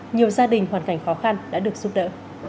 nhiều gia đình hoàn cảnh khó khăn đã được giúp đỡ